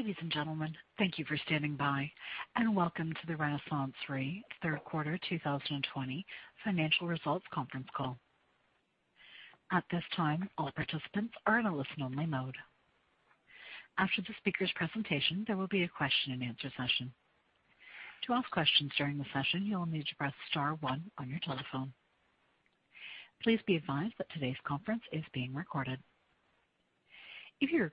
Ladies and gentlemen, thank you for standing by, and welcome to the RenaissanceRe third quarter 2020 financial results conference call. At this time all participants are in a listen-only mode. After the speaker's presentation, there will be a question and answer session. To ask questions during the session you will need to press star one on your telephone. Please be advised that today's conference is being recorded. If you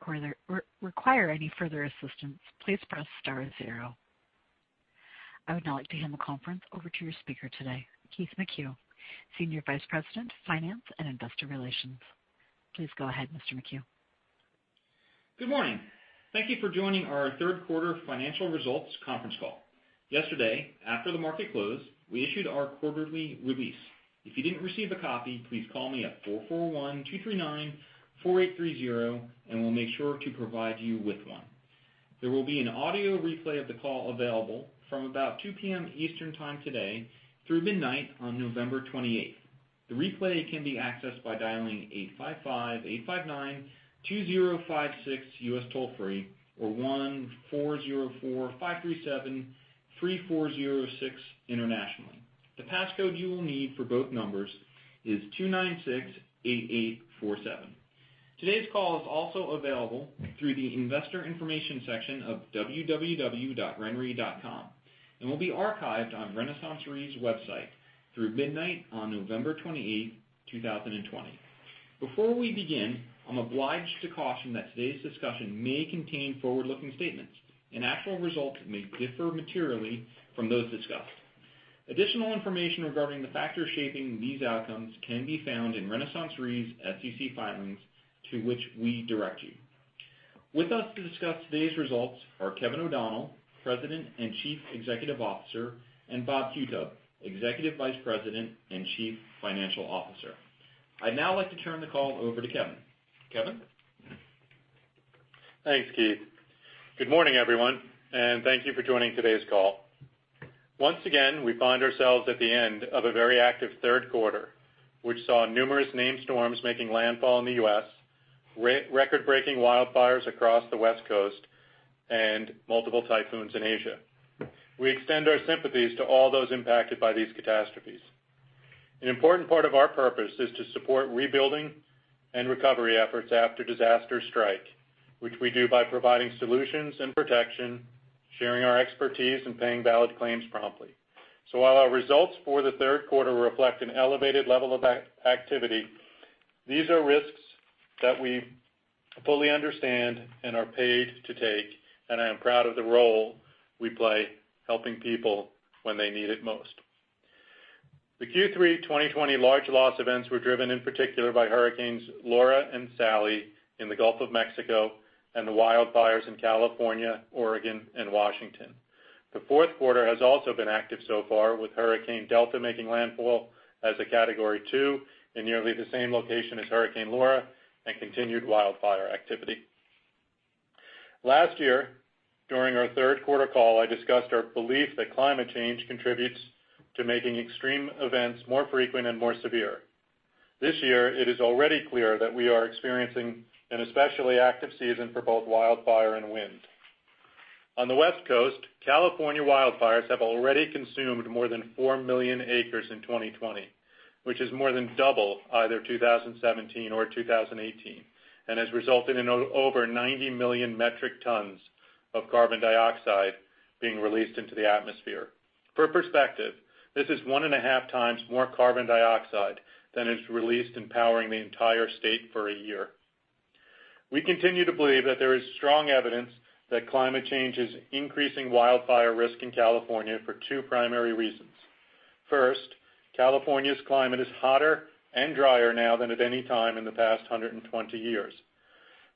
require any further assistance please press star and zero. I would now like to hand the conference over to your speaker today, Keith McCue, Senior Vice President, Finance and Investor Relations. Please go ahead, Mr. McCue. Good morning. Thank you for joining our third quarter financial results conference call. Yesterday, after the market closed, we issued our quarterly release. If you didn't receive a copy, please call me at 441-239-4830 and we'll make sure to provide you with one. There will be an audio replay of the call available from about 2:00 P.M. Eastern time today through midnight on November 28th. The replay can be accessed by dialing 855-859-2056 U.S. toll-free or 1-404-537-3406 internationally. The passcode you will need for both numbers is 2968847. Today's call is also available through the investor information section of www.renre.com and will be archived on RenaissanceRe's website through midnight on November 28th, 2020. Before we begin, I'm obliged to caution that today's discussion may contain forward-looking statements and actual results may differ materially from those discussed. Additional information regarding the factors shaping these outcomes can be found in RenaissanceRe's SEC filings to which we direct you. With us to discuss today's results are Kevin O'Donnell, President and Chief Executive Officer, and Robert Qutub, Executive Vice President and Chief Financial Officer. I'd now like to turn the call over to Kevin. Kevin? Thanks, Keith. Good morning, everyone, and thank you for joining today's call. Once again, we find ourselves at the end of a very active third quarter, which saw numerous named storms making landfall in the U.S., record-breaking wildfires across the West Coast, and multiple typhoons in Asia. We extend our sympathies to all those impacted by these catastrophes. An important part of our purpose is to support rebuilding and recovery efforts after disaster strike, which we do by providing solutions and protection, sharing our expertise, and paying valid claims promptly. While our results for the third quarter reflect an elevated level of activity, these are risks that we fully understand and are paid to take, and I am proud of the role we play helping people when they need it most. The Q3 2020 large loss events were driven in particular by hurricanes Laura and Sally in the Gulf of Mexico and the wildfires in California, Oregon, and Washington. The fourth quarter has also been active so far, with Hurricane Delta making landfall as a category 2 in nearly the same location as Hurricane Laura and continued wildfire activity. Last year, during our third quarter call, I discussed our belief that climate change contributes to making extreme events more frequent and more severe. This year, it is already clear that we are experiencing an especially active season for both wildfire and wind. On the West Coast, California wildfires have already consumed more than 4 million acres in 2020, which is more than double either 2017 or 2018 and has resulted in over 90 million metric tons of carbon dioxide being released into the atmosphere. For perspective, this is one and a half times more carbon dioxide than is released in powering the entire state for a year. We continue to believe that there is strong evidence that climate change is increasing wildfire risk in California for two primary reasons. First, California's climate is hotter and drier now than at any time in the past 120 years.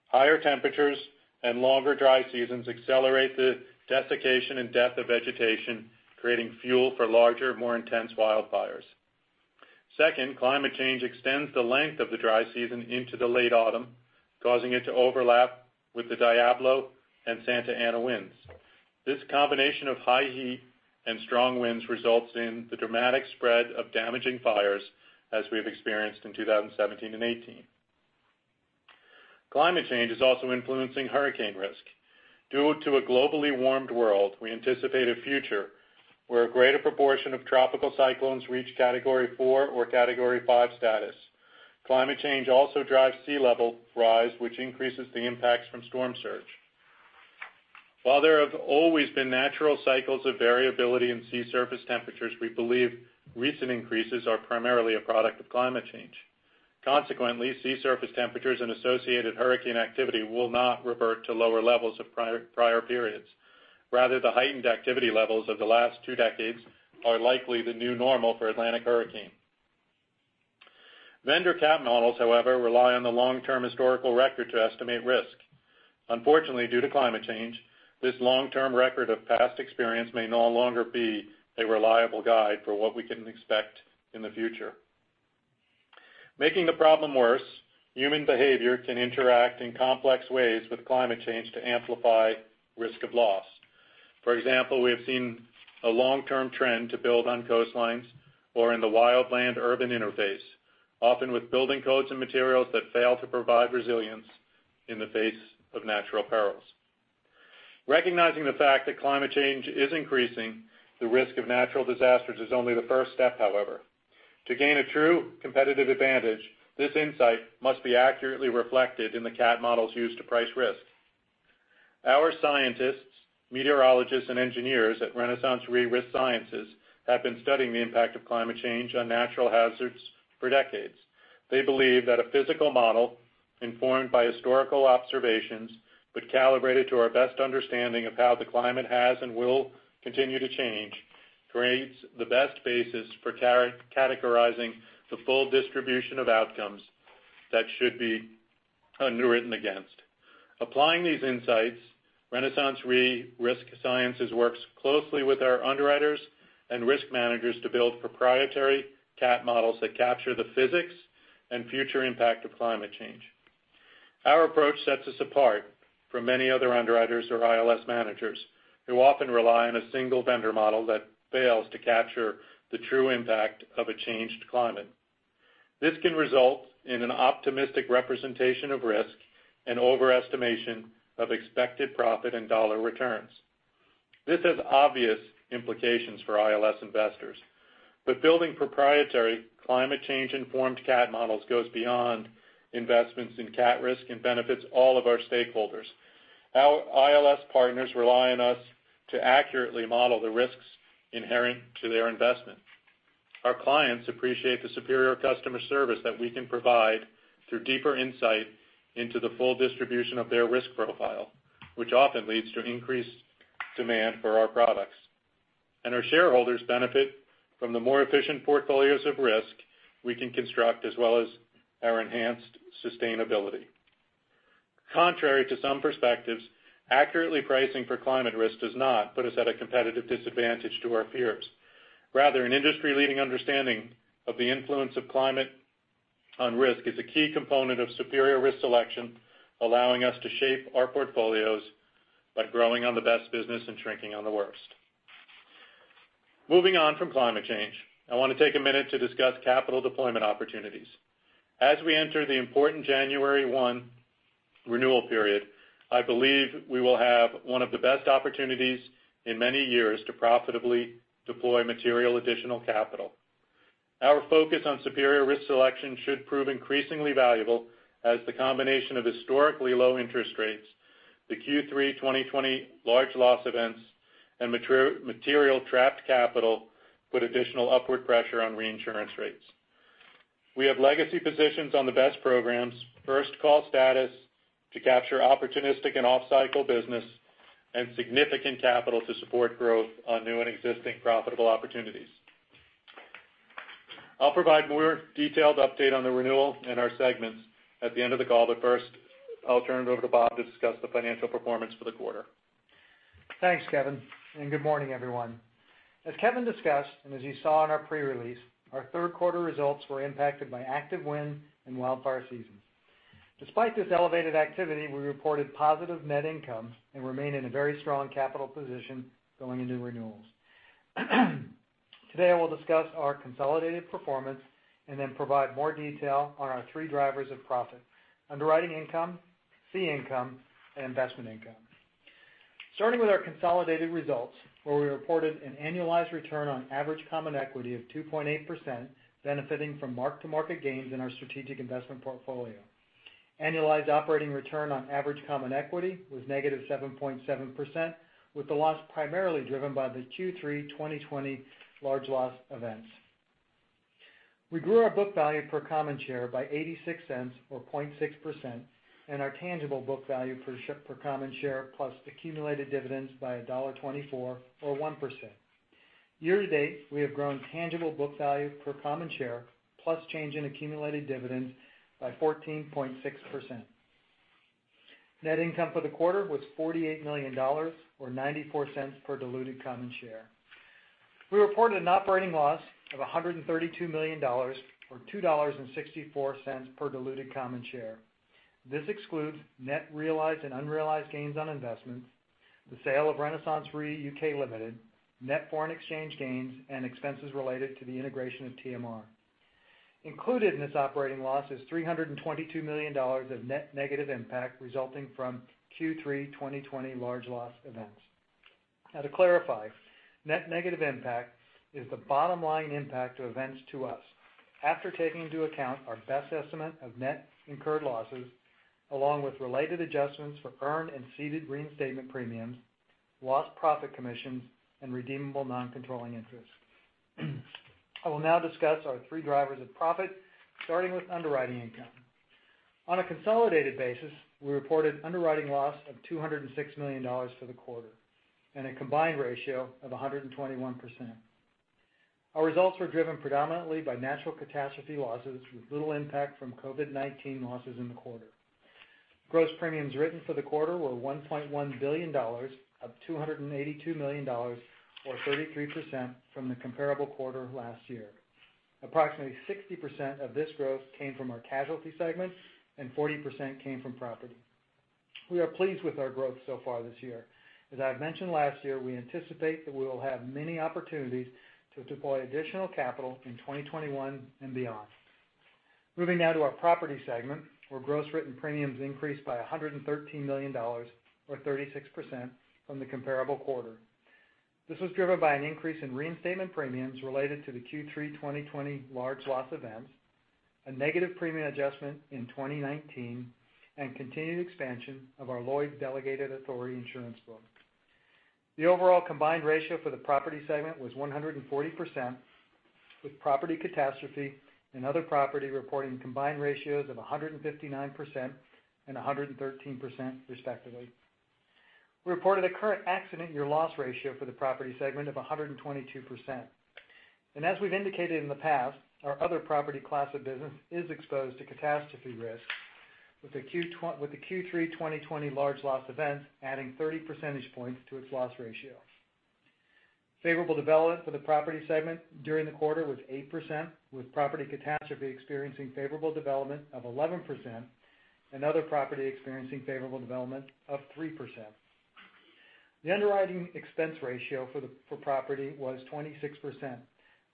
Higher temperatures and longer dry seasons accelerate the desiccation and death of vegetation, creating fuel for larger, more intense wildfires. Second, climate change extends the length of the dry season into the late autumn, causing it to overlap with the Diablo and Santa Ana winds. This combination of high heat and strong winds results in the dramatic spread of damaging fires as we've experienced in 2017 and 2018. Climate change is also influencing hurricane risk. Due to a globally warmed world, we anticipate a future where a greater proportion of tropical cyclones reach category 4 or category 5 status. Climate change also drives sea level rise, which increases the impacts from storm surge. While there have always been natural cycles of variability in sea surface temperatures, we believe recent increases are primarily a product of climate change. Consequently, sea surface temperatures and associated hurricane activity will not revert to lower levels of prior periods. Rather, the heightened activity levels of the last two decades are likely the new normal for Atlantic hurricane. Vendor cat models, however, rely on the long-term historical record to estimate risk. Unfortunately, due to climate change, this long-term record of past experience may no longer be a reliable guide for what we can expect in the future. Making the problem worse, human behavior can interact in complex ways with climate change to amplify risk of loss. For example, we have seen a long-term trend to build on coastlines or in the wildland-urban interface, often with building codes and materials that fail to provide resilience in the face of natural perils. Recognizing the fact that climate change is increasing the risk of natural disasters is only the first step, however. To gain a true competitive advantage, this insight must be accurately reflected in the cat models used to price risk. Our scientists, meteorologists, and engineers at RenaissanceRe Risk Sciences have been studying the impact of climate change on natural hazards for decades. They believe that a physical model, informed by historical observations but calibrated to our best understanding of how the climate has and will continue to change, creates the best basis for categorizing the full distribution of outcomes that should be underwritten against. Applying these insights, RenaissanceRe Risk Sciences works closely with our underwriters and risk managers to build proprietary cat models that capture the physics and future impact of climate change. Our approach sets us apart from many other underwriters or ILS managers who often rely on a single vendor model that fails to capture the true impact of a changed climate. This can result in an optimistic representation of risk and overestimation of expected profit and dollar returns. This has obvious implications for ILS investors, but building proprietary climate change-informed cat models goes beyond investments in cat risk and benefits all of our stakeholders. Our ILS partners rely on us to accurately model the risks inherent to their investment. Our clients appreciate the superior customer service that we can provide through deeper insight into the full distribution of their risk profile, which often leads to increased demand for our products. Our shareholders benefit from the more efficient portfolios of risk we can construct, as well as our enhanced sustainability. Contrary to some perspectives, accurately pricing for climate risk does not put us at a competitive disadvantage to our peers. Rather, an industry-leading understanding of the influence of climate on risk is a key component of superior risk selection, allowing us to shape our portfolios by growing on the best business and shrinking on the worst. Moving on from climate change, I want to take a minute to discuss capital deployment opportunities. As we enter the important January 1 renewal period, I believe we will have one of the best opportunities in many years to profitably deploy material additional capital. Our focus on superior risk selection should prove increasingly valuable as the combination of historically low interest rates, the Q3 2020 large loss events, and material trapped capital put additional upward pressure on reinsurance rates. We have legacy positions on the best programs, first call status to capture opportunistic and off-cycle business, and significant capital to support growth on new and existing profitable opportunities. I'll provide a more detailed update on the renewal in our segments at the end of the call. First, I'll turn it over to Bob to discuss the financial performance for the quarter. Thanks, Kevin, and good morning, everyone. As Kevin discussed, and as you saw in our pre-release, our third quarter results were impacted by active wind and wildfire seasons. Despite this elevated activity, we reported positive net income and remain in a very strong capital position going into renewals. Today, I will discuss our consolidated performance and then provide more detail on our three drivers of profit: underwriting income, fee income, and investment income. Starting with our consolidated results, where we reported an annualized return on average common equity of 2.8%, benefiting from mark-to-market gains in our strategic investment portfolio. Annualized operating return on average common equity was -7.7%, with the loss primarily driven by the Q3 2020 large loss events. We grew our book value per common share by $0.86, or 0.6%, and our tangible book value per common share plus accumulated dividends by $1.24, or 1%. Year to date, we have grown tangible book value per common share plus change in accumulated dividends by 14.6%. Net income for the quarter was $48 million, or $0.94 per diluted common share. We reported an operating loss of $132 million, or $2.64 per diluted common share. This excludes net realized and unrealized gains on investments, the sale of RenaissanceRe UK Limited, net foreign exchange gains, and expenses related to the integration of TMR. Included in this operating loss is $322 million of net negative impact resulting from Q3 2020 large loss events. Now to clarify, net negative impact is the bottom line impact of events to us after taking into account our best estimate of net incurred losses, along with related adjustments for earned and ceded reinstatement premiums, lost profit commissions, and redeemable non-controlling interest. I will now discuss our three drivers of profit, starting with underwriting income. On a consolidated basis, we reported underwriting loss of $206 million for the quarter and a combined ratio of 121%. Our results were driven predominantly by natural catastrophe losses, with little impact from COVID-19 losses in the quarter. Gross premiums written for the quarter were $1.1 billion, up $282 million, or 33%, from the comparable quarter last year. Approximately 60% of this growth came from our casualty segment and 40% came from property. We are pleased with our growth so far this year. As I've mentioned last year, we anticipate that we will have many opportunities to deploy additional capital in 2021 and beyond. Moving now to our property segment, where gross written premiums increased by $113 million, or 36%, from the comparable quarter. This was driven by an increase in reinstatement premiums related to the Q3 2020 large loss events, a negative premium adjustment in 2019, and continued expansion of our Lloyd's delegated authority insurance book. The overall combined ratio for the property segment was 140%, with property catastrophe and other property reporting combined ratios of 159% and 113%, respectively. We reported a current accident year loss ratio for the property segment of 122%. As we've indicated in the past, our other property class of business is exposed to catastrophe risk with the Q3 2020 large loss events adding 30 percentage points to its loss ratio. Favorable development for the property segment during the quarter was 8%, with property catastrophe experiencing favorable development of 11% and other property experiencing favorable development of 3%. The underwriting expense ratio for property was 26%,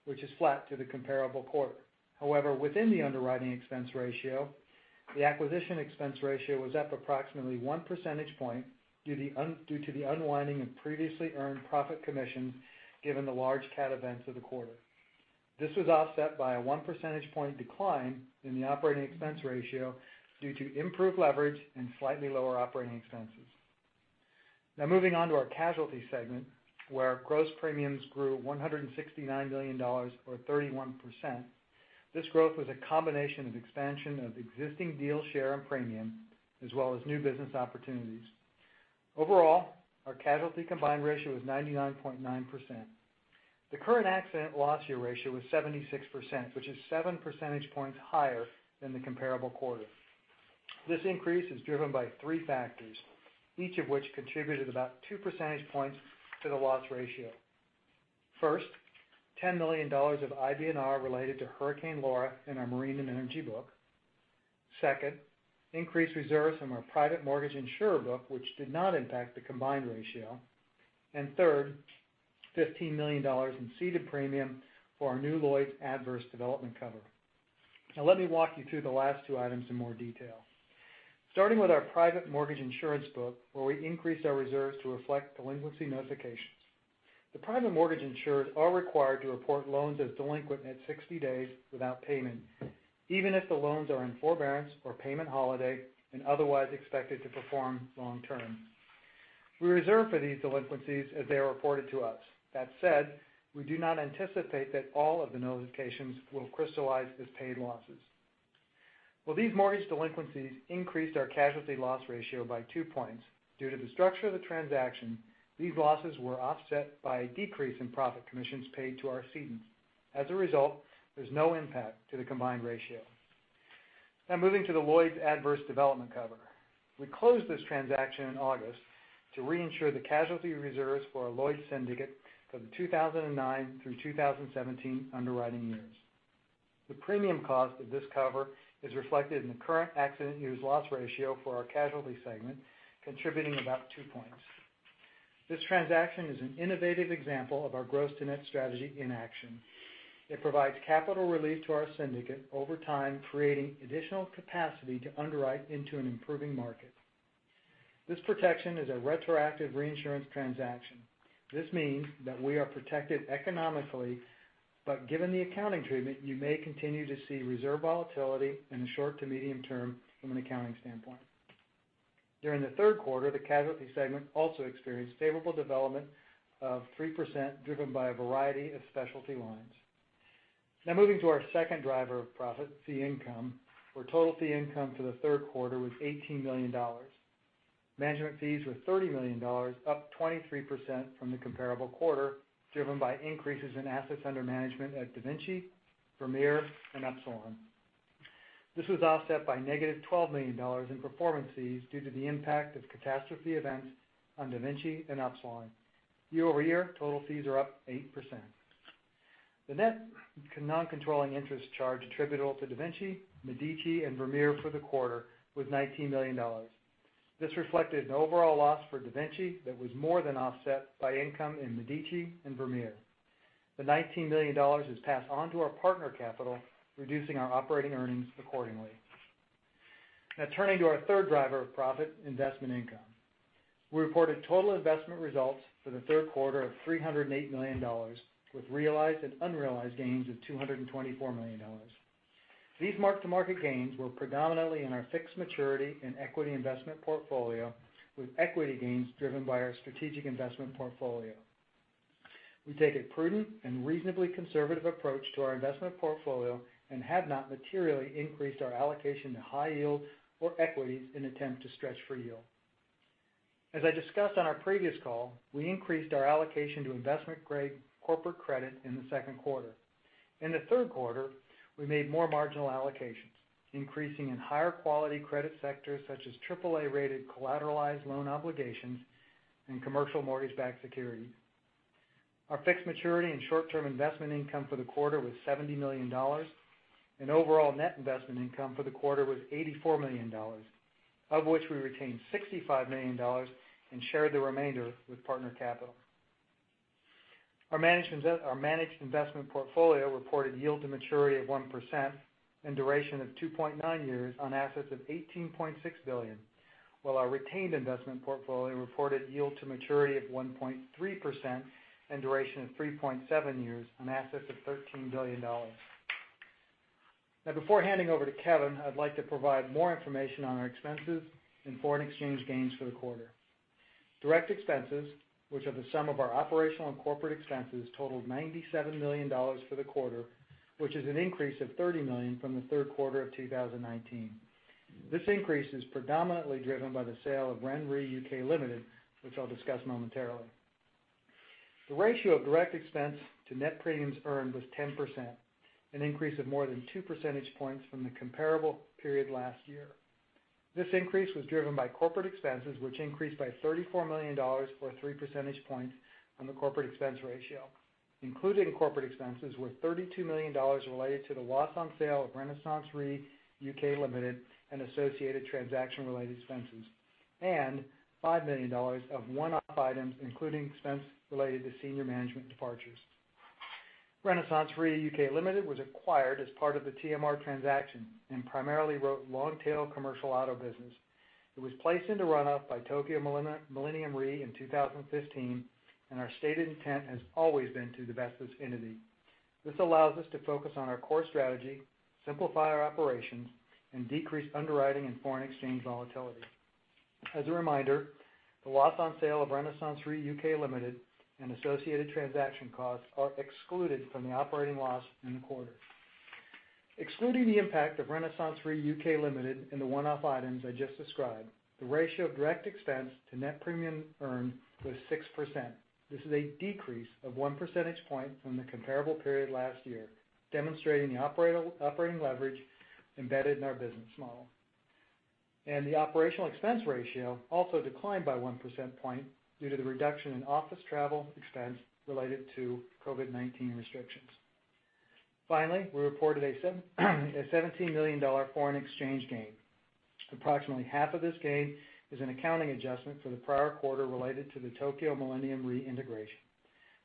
which is flat to the comparable quarter. However, within the underwriting expense ratio, the acquisition expense ratio was up approximately 1 percentage point due to the unwinding of previously earned profit commissions, given the large cat events of the quarter. This was offset by a 1 percentage point decline in the operating expense ratio due to improved leverage and slightly lower operating expenses. Moving on to our casualty segment, where our gross premiums grew $169 million or 31%. This growth was a combination of expansion of existing deal share and premium, as well as new business opportunities. Overall, our casualty combined ratio was 99.9%. The current accident loss year ratio was 76%, which is 7 percentage points higher than the comparable quarter. This increase is driven by three factors, each of which contributed about 2 percentage points to the loss ratio. First, $10 million of IBNR related to Hurricane Laura in our marine and energy book. Second, increased reserves from our private mortgage insurer book, which did not impact the combined ratio. Third, $15 million in ceded premium for our new Lloyd's adverse development cover. Let me walk you through the last two items in more detail. Starting with our private mortgage insurance book, where we increased our reserves to reflect delinquency notifications. The private mortgage insurers are required to report loans as delinquent at 60 days without payment, even if the loans are in forbearance or payment holiday and otherwise expected to perform long term. We reserve for these delinquencies as they are reported to us. That said, we do not anticipate that all of the notifications will crystallize as paid losses. While these mortgage delinquencies increased our casualty loss ratio by two points, due to the structure of the transaction, these losses were offset by a decrease in profit commissions paid to our cedents. As a result, there's no impact to the combined ratio. Moving to the Lloyd's adverse development cover. We closed this transaction in August to reinsure the casualty reserves for our Lloyd's syndicate from 2009-2017 underwriting years. The premium cost of this cover is reflected in the current accident years loss ratio for our casualty segment, contributing about two points. This transaction is an innovative example of our gross to net strategy in action. It provides capital relief to our syndicate over time, creating additional capacity to underwrite into an improving market. This protection is a retroactive reinsurance transaction. This means that we are protected economically, but given the accounting treatment, you may continue to see reserve volatility in the short to medium term from an accounting standpoint. During the third quarter, the casualty segment also experienced favorable development of 3%, driven by a variety of specialty lines. Moving to our second driver of profit, fee income, where total fee income for the third quarter was $18 million. Management fees were $30 million, up 23% from the comparable quarter, driven by increases in assets under management at DaVinci, Vermeer, and Upsilon. This was offset by negative $12 million in performance fees due to the impact of catastrophe events on DaVinci and Upsilon. Year-over-year, total fees are up 8%. The net non-controlling interest charge attributable to DaVinci, Medici, and Vermeer for the quarter was $19 million. This reflected an overall loss for DaVinci that was more than offset by income in Medici and Vermeer. The $19 million is passed on to our partner capital, reducing our operating earnings accordingly. Turning to our third driver of profit, investment income. We reported total investment results for the third quarter of $308 million, with realized and unrealized gains of $224 million. These mark-to-market gains were predominantly in our fixed maturity and equity investment portfolio, with equity gains driven by our strategic investment portfolio. We take a prudent and reasonably conservative approach to our investment portfolio and have not materially increased our allocation to high yield or equities in attempt to stretch for yield. As I discussed on our previous call, we increased our allocation to investment-grade corporate credit in the second quarter. In the third quarter, we made more marginal allocations, increasing in higher quality credit sectors such as AAA-rated collateralized loan obligations and commercial mortgage-backed securities. Our fixed maturity and short-term investment income for the quarter was $70 million, and overall net investment income for the quarter was $84 million, of which we retained $65 million and shared the remainder with partner capital. Our managed investment portfolio reported yield to maturity of 1% and duration of 2.9 years on assets of $18.6 billion, while our retained investment portfolio reported yield to maturity of 1.3% and duration of 3.7 years on assets of $13 billion. Now, before handing over to Kevin, I'd like to provide more information on our expenses and foreign exchange gains for the quarter. Direct expenses, which are the sum of our operational and corporate expenses, totaled $97 million for the quarter, which is an increase of $30 million from the third quarter of 2019. This increase is predominantly driven by the sale of RenaissanceRe UK Limited, which I'll discuss momentarily. The ratio of direct expense to net premiums earned was 10%, an increase of more than 2 percentage points from the comparable period last year. This increase was driven by corporate expenses, which increased by $34 million, or 3 percentage points from the corporate expense ratio. Included in corporate expenses were $32 million related to the loss on sale of RenaissanceRe UK Limited and associated transaction-related expenses, and $5 million of one-off items, including expense related to senior management departures. RenaissanceRe UK Limited was acquired as part of the TMR transaction and primarily wrote long-tail commercial auto business. It was placed into run-off by Tokio Millennium Re in 2015. Our stated intent has always been to divest this entity. This allows us to focus on our core strategy, simplify our operations, and decrease underwriting and foreign exchange volatility. As a reminder, the loss on sale of RenaissanceRe UK Limited and associated transaction costs are excluded from the operating loss in the quarter. Excluding the impact of RenaissanceRe UK Limited and the one-off items I just described, the ratio of direct expense to net premium earned was 6%. This is a decrease of 1 percentage point from the comparable period last year, demonstrating the operating leverage embedded in our business model. The operational expense ratio also declined by 1 percentage point due to the reduction in office travel expense related to COVID-19 restrictions. Finally, we reported a $17 million foreign exchange gain. Approximately half of this gain is an accounting adjustment for the prior quarter related to the Tokio Millennium Re integration.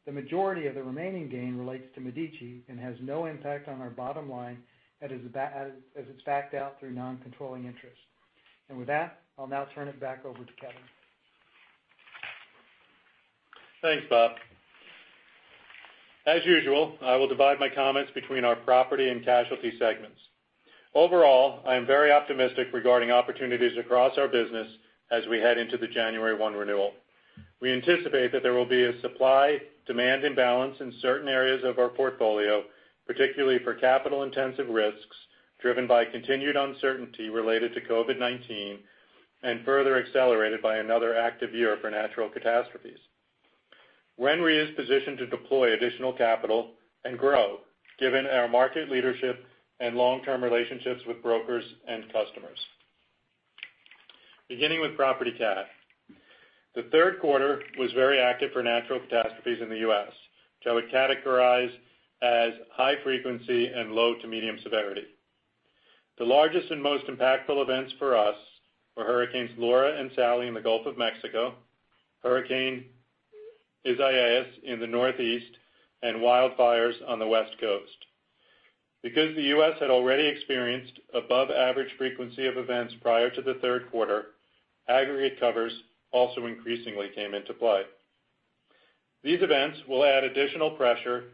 The majority of the remaining gain relates to Medici and has no impact on our bottom line as it's backed out through non-controlling interest. With that, I'll now turn it back over to Kevin. Thanks, Bob. As usual, I will divide my comments between our property and casualty segments. Overall, I am very optimistic regarding opportunities across our business as we head into the January 1 renewal. We anticipate that there will be a supply-demand imbalance in certain areas of our portfolio, particularly for capital-intensive risks, driven by continued uncertainty related to COVID-19, and further accelerated by another active year for natural catastrophes. RenRe is positioned to deploy additional capital and grow, given our market leadership and long-term relationships with brokers and customers. Beginning with property cat. The third quarter was very active for natural catastrophes in the U.S., which I would categorize as high frequency and low to medium severity. The largest and most impactful events for us were Hurricanes Laura and Sally in the Gulf of Mexico, Hurricane Isaias in the Northeast, and wildfires on the West Coast. Because the U.S. had already experienced above average frequency of events prior to the third quarter, aggregate covers also increasingly came into play. These events will add additional pressure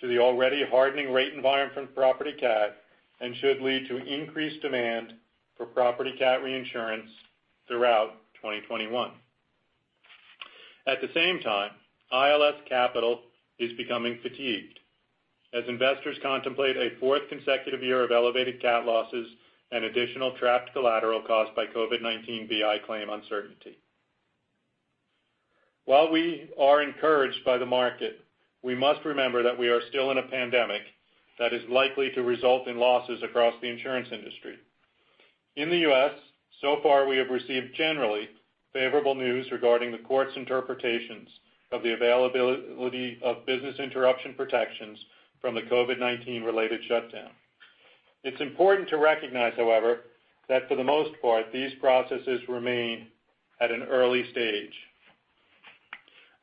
to the already hardening rate environment for property cat and should lead to increased demand for property cat reinsurance throughout 2021. At the same time, ILS capital is becoming fatigued as investors contemplate a fourth consecutive year of elevated cat losses and additional trapped collateral caused by COVID-19 BI claim uncertainty. While we are encouraged by the market, we must remember that we are still in a pandemic that is likely to result in losses across the insurance industry. In the U.S., so far we have received generally favorable news regarding the court's interpretations of the availability of business interruption protections from the COVID-19 related shutdown. It's important to recognize, however, that for the most part, these processes remain at an early stage.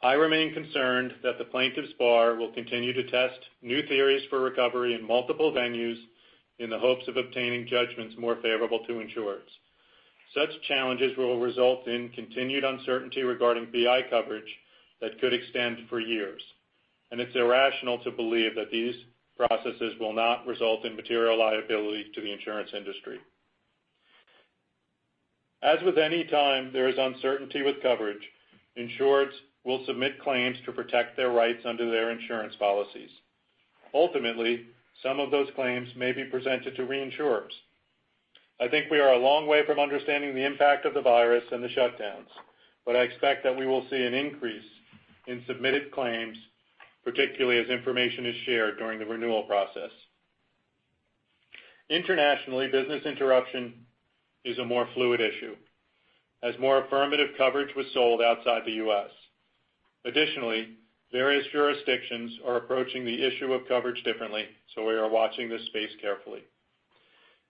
I remain concerned that the plaintiffs bar will continue to test new theories for recovery in multiple venues in the hopes of obtaining judgments more favorable to insurers. Such challenges will result in continued uncertainty regarding BI coverage that could extend for years, and it's irrational to believe that these processes will not result in material liability to the insurance industry. As with any time there is uncertainty with coverage, insurers will submit claims to protect their rights under their insurance policies. Ultimately, some of those claims may be presented to reinsurers. I think we are a long way from understanding the impact of the virus and the shutdowns, but I expect that we will see an increase in submitted claims, particularly as information is shared during the renewal process. Internationally, business interruption is a more fluid issue as more affirmative coverage was sold outside the U.S. Additionally, various jurisdictions are approaching the issue of coverage differently, so we are watching this space carefully.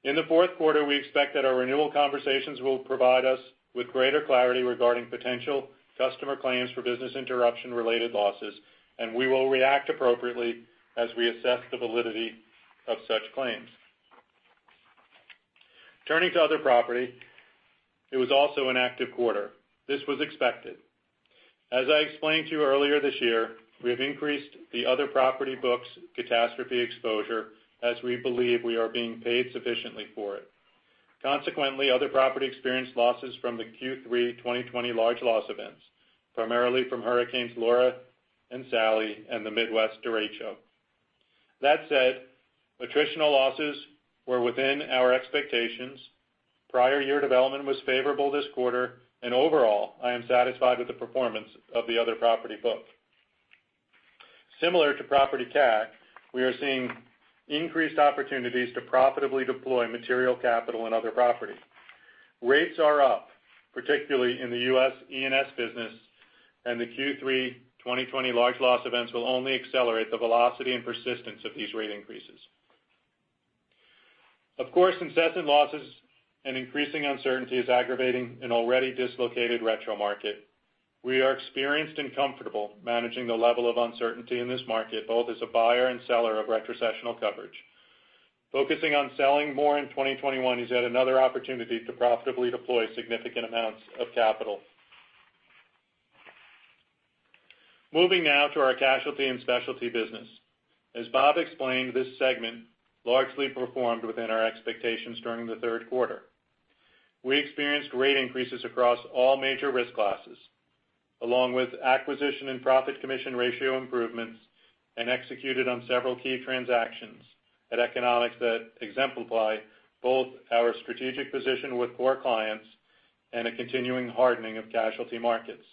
In the fourth quarter, we expect that our renewal conversations will provide us with greater clarity regarding potential customer claims for business interruption-related losses, and we will react appropriately as we assess the validity of such claims. Turning to other property, it was also an active quarter. This was expected. As I explained to you earlier this year, we have increased the other property book's catastrophe exposure as we believe we are being paid sufficiently for it. Consequently, other property experienced losses from the Q3 2020 large loss events, primarily from hurricanes Laura and Sally and the Midwest derecho. That said, attritional losses were within our expectations. Prior year development was favorable this quarter, overall, I am satisfied with the performance of the other property book. Similar to property cat, we are seeing increased opportunities to profitably deploy material capital in other property. Rates are up, particularly in the U.S. E&S business, the Q3 2020 large loss events will only accelerate the velocity and persistence of these rate increases. Of course, incessant losses and increasing uncertainty is aggravating an already dislocated retro market. We are experienced and comfortable managing the level of uncertainty in this market, both as a buyer and seller of retrocessional coverage. Focusing on selling more in 2021 is yet another opportunity to profitably deploy significant amounts of capital. Moving now to our casualty and specialty business. As Bob explained, this segment largely performed within our expectations during the third quarter. We experienced rate increases across all major risk classes, along with acquisition and profit commission ratio improvements, executed on several key transactions at economics that exemplify both our strategic position with core clients and a continuing hardening of casualty markets.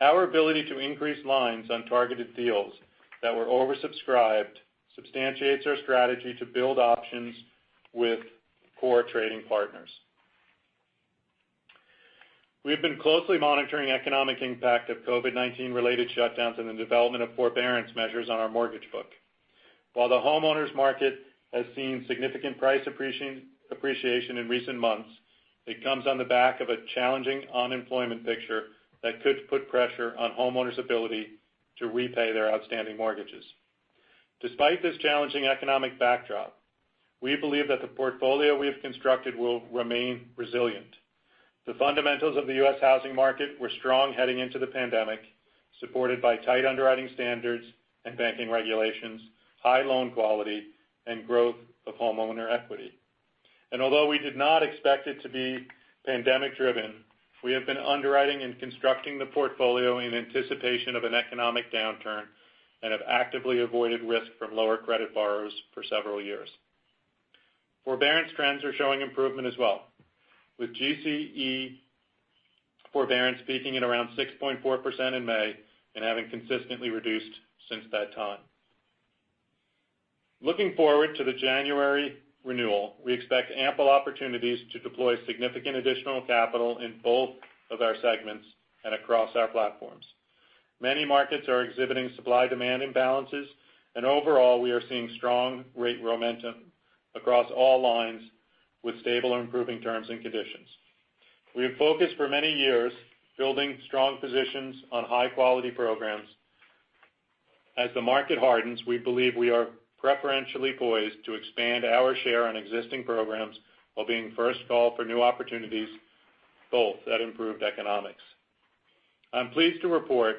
Our ability to increase lines on targeted deals that were oversubscribed substantiates our strategy to build options with core trading partners. We've been closely monitoring economic impact of COVID-19 related shutdowns and the development of forbearance measures on our mortgage book. While the homeowners market has seen significant price appreciation in recent months, it comes on the back of a challenging unemployment picture that could put pressure on homeowners' ability to repay their outstanding mortgages. Despite this challenging economic backdrop, we believe that the portfolio we have constructed will remain resilient. The fundamentals of the U.S. housing market were strong heading into the pandemic, supported by tight underwriting standards and banking regulations, high loan quality, and growth of homeowner equity. Although we did not expect it to be pandemic-driven, we have been underwriting and constructing the portfolio in anticipation of an economic downturn and have actively avoided risk from lower credit borrowers for several years. Forbearance trends are showing improvement as well, with GSE forbearance peaking at around 6.4% in May and having consistently reduced since that time. Looking forward to the January renewal, we expect ample opportunities to deploy significant additional capital in both of our segments and across our platforms. Many markets are exhibiting supply-demand imbalances, and overall, we are seeing strong rate momentum across all lines with stable or improving terms and conditions. We have focused for many years building strong positions on high-quality programs. As the market hardens, we believe we are preferentially poised to expand our share on existing programs while being first call for new opportunities, both at improved economics. I'm pleased to report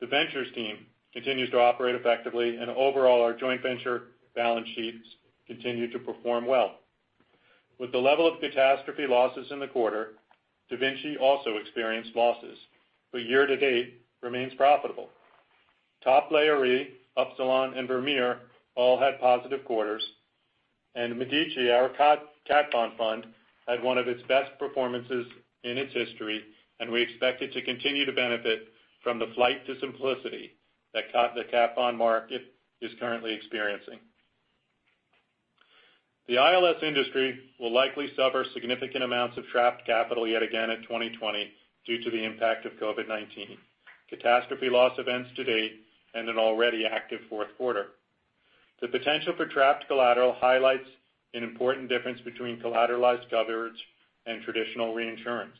the ventures team continues to operate effectively. Overall, our joint venture balance sheets continue to perform well. With the level of catastrophe losses in the quarter, DaVinci also experienced losses. Year to date remains profitable. Top Layer Re, Upsilon, and Vermeer all had positive quarters. Medici, our cat bond fund, had one of its best performances in its history. We expect it to continue to benefit from the flight to simplicity that the cat bond market is currently experiencing. The ILS industry will likely suffer significant amounts of trapped capital yet again in 2020 due to the impact of COVID-19, catastrophe loss events to date, and an already active fourth quarter. The potential for trapped collateral highlights an important difference between collateralized coverage and traditional reinsurance.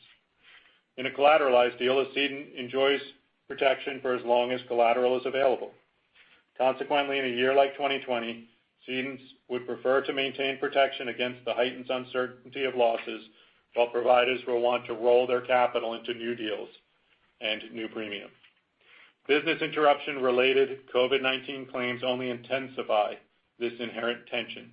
In a collateralized deal, a cedent enjoys protection for as long as collateral is available. Consequently, in a year like 2020, cedents would prefer to maintain protection against the heightened uncertainty of losses, while providers will want to roll their capital into new deals and new premium. Business interruption-related COVID-19 claims only intensify this inherent tension.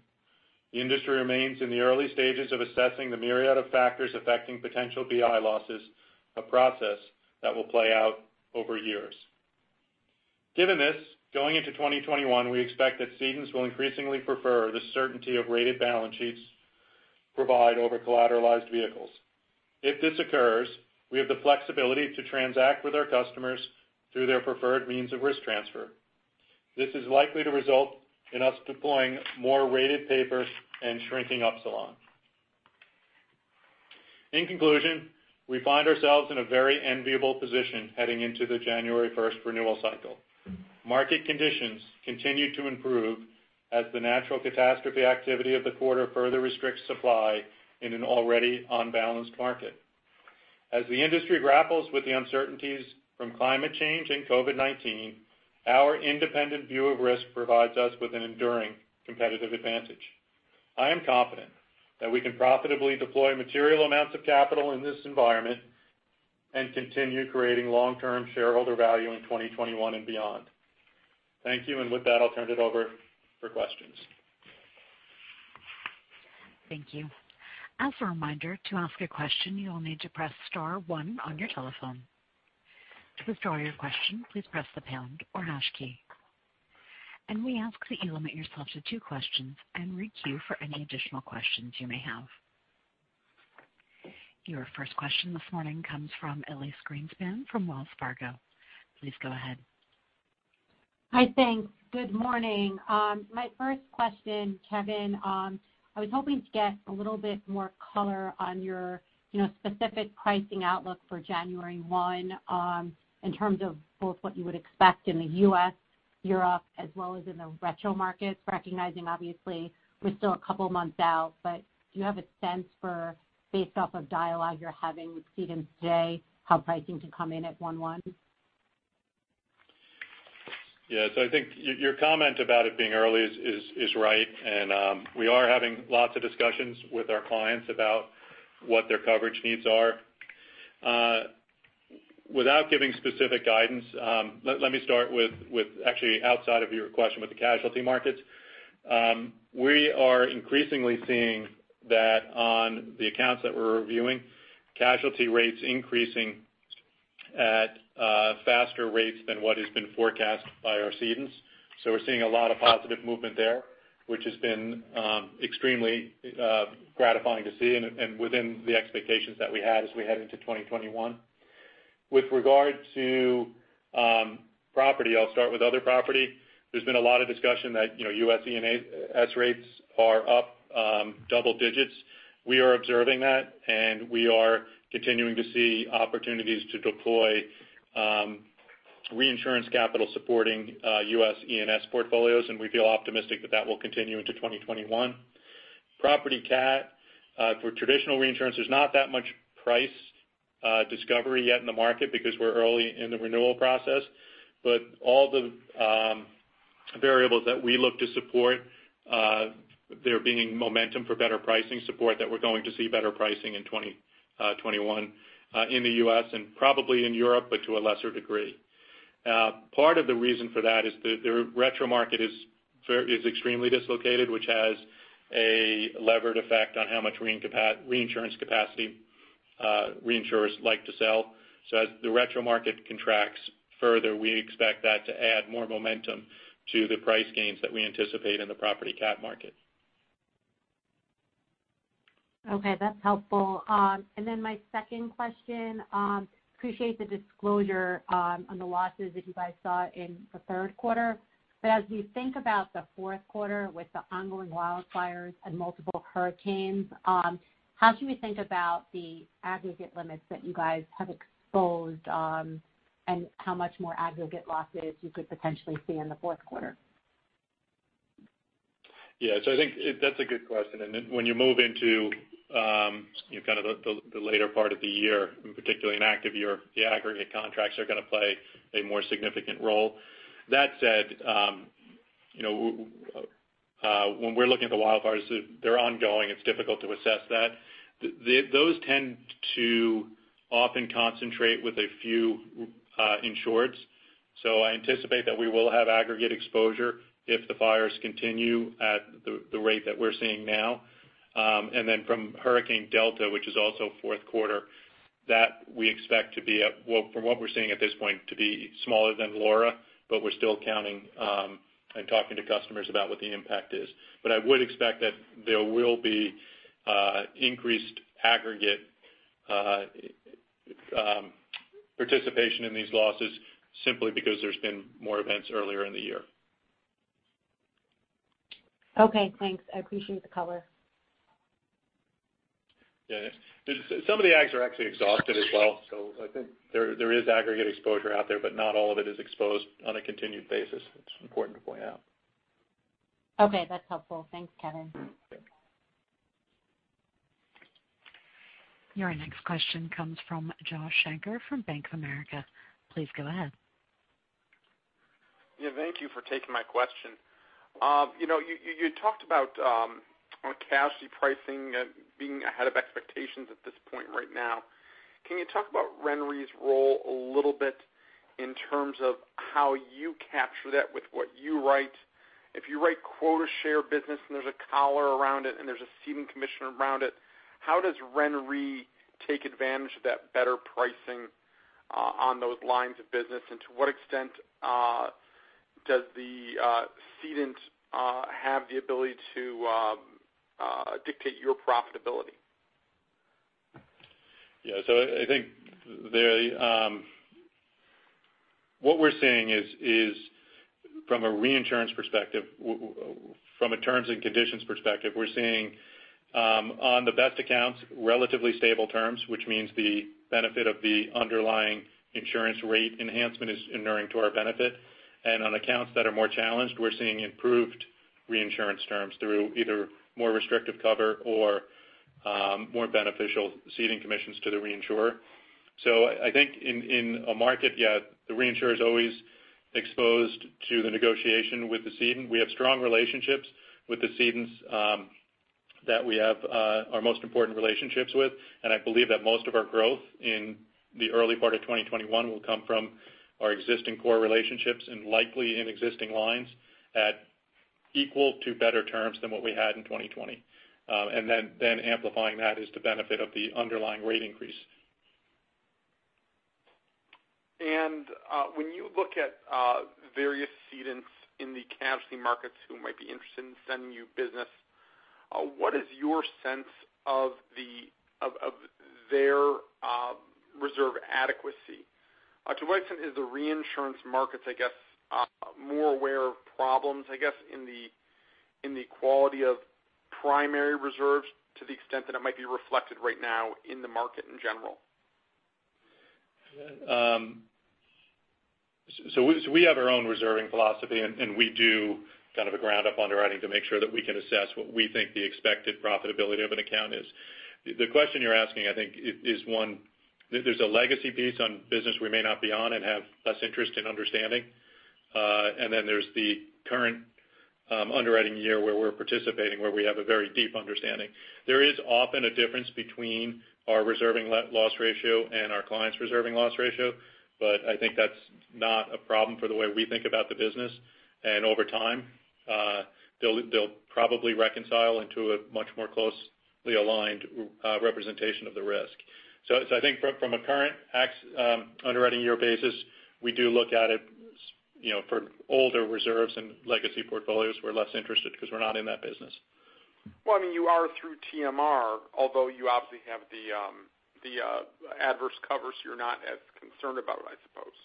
The industry remains in the early stages of assessing the myriad of factors affecting potential BI losses, a process that will play out over years. Given this, going into 2021, we expect that cedents will increasingly prefer the certainty of rated balance sheets provide over collateralized vehicles. If this occurs, we have the flexibility to transact with our customers through their preferred means of risk transfer. This is likely to result in us deploying more rated papers and shrinking Upsilon. In conclusion, we find ourselves in a very enviable position heading into the January 1st renewal cycle. Market conditions continue to improve as the natural catastrophe activity of the quarter further restricts supply in an already unbalanced market. As the industry grapples with the uncertainties from climate change and COVID-19, our independent view of risk provides us with an enduring competitive advantage. I am confident that we can profitably deploy material amounts of capital in this environment and continue creating long-term shareholder value in 2021 and beyond. Thank you. With that, I'll turn it over for questions. Thank you. As a reminder, to ask a question, you will need to press star one on your telephone. To withdraw your question, please press the pound or hash key. We ask that you limit yourself to two questions and re-queue for any additional questions you may have. Your first question this morning comes from Elyse Greenspan from Wells Fargo. Please go ahead. Hi. Thanks. Good morning. My first question, Kevin, I was hoping to get a little bit more color on your specific pricing outlook for January 1, in terms of both what you would expect in the U.S., Europe, as well as in the retro markets. Recognizing, obviously, we're still a couple of months out, do you have a sense for, based off of dialogue you're having with cedents today, how pricing can come in at 1/1? I think your comment about it being early is right, and we are having lots of discussions with our clients about what their coverage needs are. Without giving specific guidance, let me start with, actually outside of your question, with the casualty markets. We are increasingly seeing that on the accounts that we're reviewing, casualty rates increasing at faster rates than what has been forecast by our cedents. We're seeing a lot of positive movement there, which has been extremely gratifying to see and within the expectations that we had as we head into 2021. With regard to property, I'll start with other property. There's been a lot of discussion that U.S. E&S rates are up double digits. We are observing that, and we are continuing to see opportunities to deploy reinsurance capital supporting U.S. E&S portfolios, and we feel optimistic that will continue into 2021. Property cat, for traditional reinsurance, there's not that much price discovery yet in the market because we're early in the renewal process. All the variables that we look to support, there being momentum for better pricing support that we're going to see better pricing in 2021 in the U.S. and probably in Europe, but to a lesser degree. Part of the reason for that is the retro market is extremely dislocated, which has a levered effect on how much reinsurance capacity reinsurers like to sell. As the retro market contracts further, we expect that to add more momentum to the price gains that we anticipate in the property cat market. Okay, that's helpful. My second question, appreciate the disclosure on the losses that you guys saw in the third quarter. As we think about the fourth quarter with the ongoing wildfires and multiple hurricanes, how should we think about the aggregate limits that you guys have exposed, and how much more aggregate losses you could potentially see in the fourth quarter? Yeah. I think that's a good question. When you move into the later part of the year, and particularly an active year, the aggregate contracts are going to play a more significant role. That said, when we're looking at the wildfires, they're ongoing. It's difficult to assess that. Those tend to often concentrate with a few insureds. I anticipate that we will have aggregate exposure if the fires continue at the rate that we're seeing now. From Hurricane Delta, which is also fourth quarter, that we expect to be at, well, from what we're seeing at this point, to be smaller than Laura, but we're still counting and talking to customers about what the impact is. I would expect that there will be increased aggregate participation in these losses simply because there's been more events earlier in the year. Okay, thanks. I appreciate the color. Yeah. Some of the aggs are actually exhausted as well. I think there is aggregate exposure out there, but not all of it is exposed on a continued basis. It's important to point out. Okay, that's helpful. Thanks, Kevin. Mm-hmm. Yeah. Your next question comes from Josh Shanker from Bank of America. Please go ahead. Yeah, thank you for taking my question. You talked about on casualty pricing being ahead of expectations at this point right now. Can you talk about RenRe's role a little bit in terms of how you capture that with what you write. If you write quota share business and there's a collar around it and there's a ceding commission around it, how does RenRe take advantage of that better pricing on those lines of business? To what extent does the cedant have the ability to dictate your profitability? I think what we're seeing is from a reinsurance perspective, from a terms and conditions perspective, we're seeing on the best accounts, relatively stable terms, which means the benefit of the underlying insurance rate enhancement is inuring to our benefit. On accounts that are more challenged, we're seeing improved reinsurance terms through either more restrictive cover or more beneficial ceding commissions to the reinsurer. I think in a market, the reinsurer is always exposed to the negotiation with the cedant. We have strong relationships with the cedants that we have our most important relationships with, I believe that most of our growth in the early part of 2021 will come from our existing core relationships and likely in existing lines at equal to better terms than what we had in 2020. Amplifying that is the benefit of the underlying rate increase. When you look at various cedants in the casualty markets who might be interested in sending you business, what is your sense of their reserve adequacy? To what extent is the reinsurance markets, I guess, more aware of problems, I guess in the quality of primary reserves to the extent that it might be reflected right now in the market in general? We have our own reserving philosophy, and we do kind of a ground-up underwriting to make sure that we can assess what we think the expected profitability of an account is. The question you're asking, I think, is one, there's a legacy piece on business we may not be on and have less interest in understanding. There's the current underwriting year where we're participating, where we have a very deep understanding. There is often a difference between our reserving loss ratio and our client's reserving loss ratio, but I think that's not a problem for the way we think about the business. Over time, they'll probably reconcile into a much more closely aligned representation of the risk. I think from a current underwriting year basis, we do look at it for older reserves and legacy portfolios, we're less interested because we're not in that business. Well, I mean, you are through TMR, although you obviously have the adverse cover, so you're not as concerned about it, I suppose.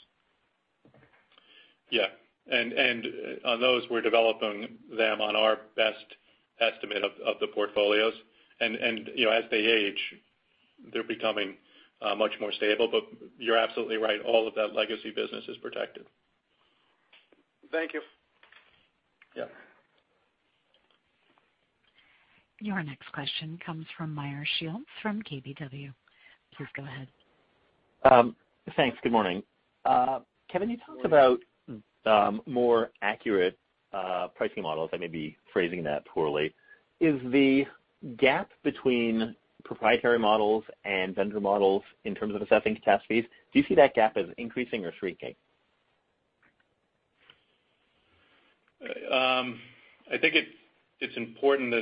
Yeah. On those, we're developing them on our best estimate of the portfolios. As they age, they're becoming much more stable. You're absolutely right, all of that legacy business is protected. Thank you. Yeah. Your next question comes from Meyer Shields from KBW. Please go ahead. Thanks. Good morning. Kevin, you talked about more accurate pricing models. I may be phrasing that poorly. Is the gap between proprietary models and vendor models in terms of assessing cat risk, do you see that gap as increasing or shrinking? I think it's important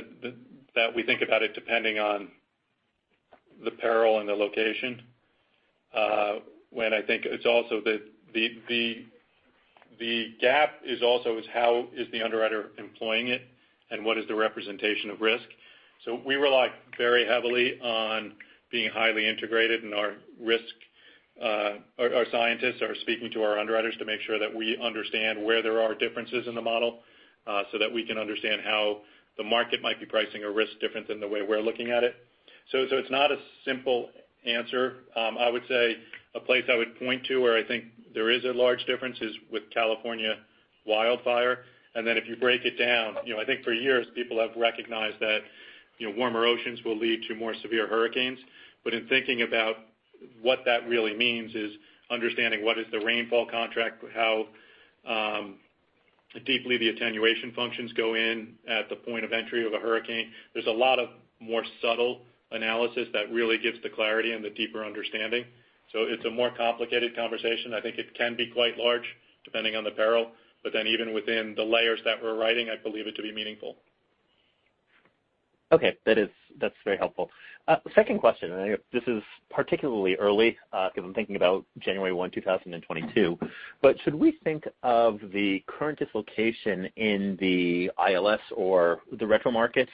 that we think about it depending on the peril and the location. I think it's also the gap is how is the underwriter employing it and what is the representation of risk. We rely very heavily on being highly integrated in our risk. Our scientists are speaking to our underwriters to make sure that we understand where there are differences in the model, so that we can understand how the market might be pricing a risk different than the way we're looking at it. It's not a simple answer. I would say a place I would point to where I think there is a large difference is with California wildfire. If you break it down, I think for years people have recognized that warmer oceans will lead to more severe hurricanes. In thinking about what that really means is understanding what is the rainfall contract, how deeply the attenuation functions go in at the point of entry of a hurricane. There's a lot of more subtle analysis that really gives the clarity and the deeper understanding. It's a more complicated conversation. I think it can be quite large depending on the peril, but then even within the layers that we're writing, I believe it to be meaningful. Okay. That's very helpful. Second question, I think this is particularly early because I'm thinking about January 1, 2022. Should we think of the current dislocation in the ILS or the retro markets?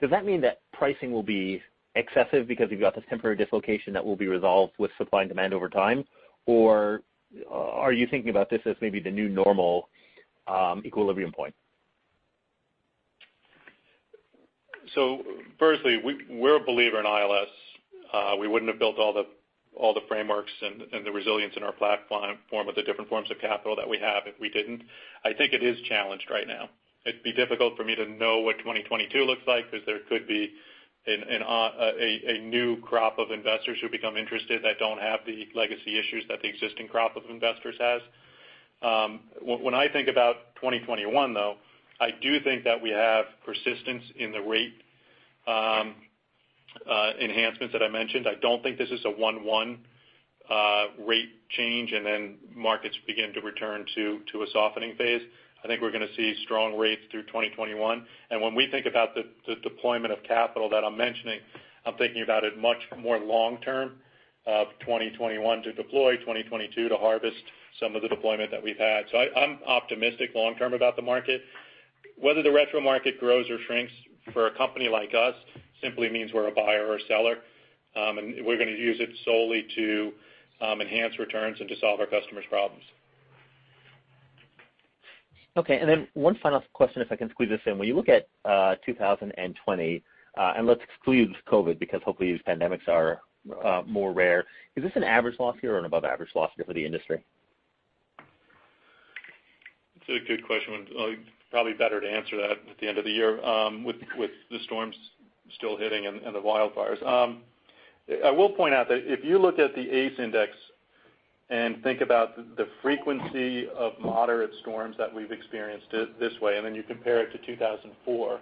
Does that mean that pricing will be excessive because you've got this temporary dislocation that will be resolved with supply and demand over time? Are you thinking about this as maybe the new normal equilibrium point? Firstly, we're a believer in ILS. We wouldn't have built all the frameworks and the resilience in our platform of the different forms of capital that we have if we didn't. I think it is challenged right now. It'd be difficult for me to know what 2022 looks like because there could be a new crop of investors who become interested that don't have the legacy issues that the existing crop of investors has. When I think about 2021, though, I do think that we have persistence in the rate enhancements that I mentioned. I don't think this is a 1/1 rate change, and then markets begin to return to a softening phase. I think we're going to see strong rates through 2021. When we think about the deployment of capital that I'm mentioning, I'm thinking about it much more long term of 2021 to deploy, 2022 to harvest some of the deployment that we've had. I'm optimistic long term about the market. Whether the retro market grows or shrinks for a company like us simply means we're a buyer or seller, and we're going to use it solely to enhance returns and to solve our customers' problems. Then one final question, if I can squeeze this in. When you look at 2020, and let's exclude COVID because hopefully these pandemics are more rare, is this an average loss year or an above average loss year for the industry? It's a good question. Probably better to answer that at the end of the year with the storms still hitting and the wildfires. I will point out that if you look at the ACE index and think about the frequency of moderate storms that we've experienced this way, and then you compare it to 2004,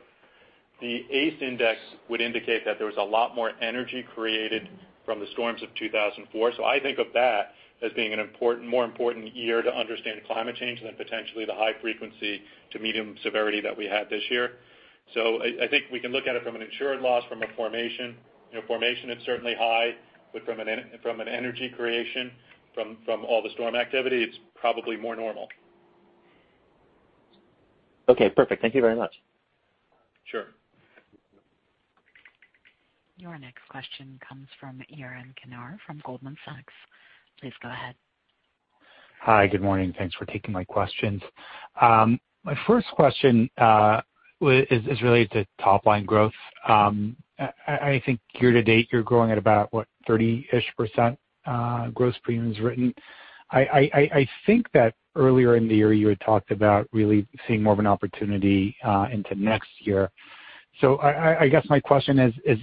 the ACE index would indicate that there was a lot more energy created from the storms of 2004. I think of that as being a more important year to understand climate change than potentially the high frequency to medium severity that we had this year. I think we can look at it from an insured loss from a formation. Formation is certainly high, but from an energy creation, from all the storm activity, it's probably more normal. Okay, perfect. Thank you very much. Sure. Your next question comes from Yaron Kinar from Goldman Sachs. Please go ahead. Hi. Good morning. Thanks for taking my questions. My first question is related to top-line growth. I think year to date you're growing at about what, 30%-ish gross premiums written. I think that earlier in the year you had talked about really seeing more of an opportunity into next year. I guess my question is,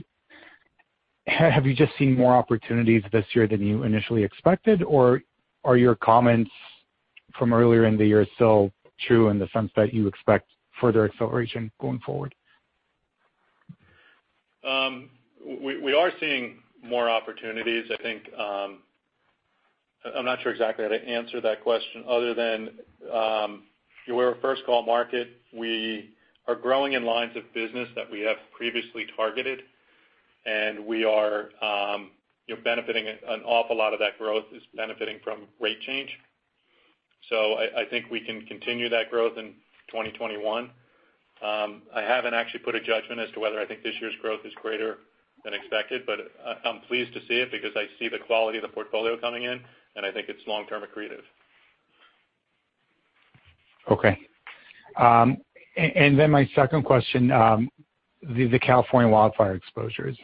have you just seen more opportunities this year than you initially expected? Or are your comments from earlier in the year still true in the sense that you expect further acceleration going forward? We are seeing more opportunities. I'm not sure exactly how to answer that question other than we're a first-call market. We are growing in lines of business that we have previously targeted, and an awful lot of that growth is benefiting from rate change. I think we can continue that growth in 2021. I haven't actually put a judgment as to whether I think this year's growth is greater than expected, but I'm pleased to see it because I see the quality of the portfolio coming in, and I think it's long-term accretive. Okay. My second question, the California wildfire exposures.